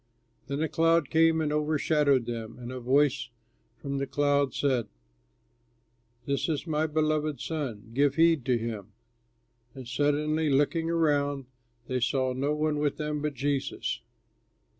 Then a cloud came and overshadowed them, and a voice from the cloud said, "This is my Beloved Son; give heed to him." And suddenly, looking around, they saw no one with them but Jesus.